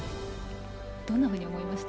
どんなふうに思いました？